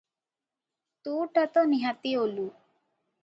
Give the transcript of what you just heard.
ତୁ ଟା ତ ନିହାତି ଓଲୁ ।